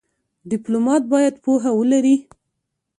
ډيپلومات باید پوهه ولري.